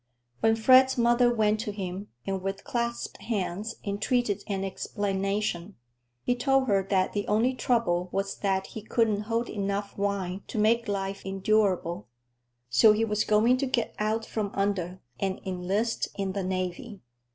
When Fred's mother went to him and with clasped hands entreated an explanation, he told her that the only trouble was that he couldn't hold enough wine to make life endurable, so he was going to get out from under and enlist in the navy.